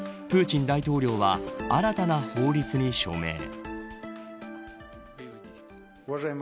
プーチン大統領は新たな法律に署名。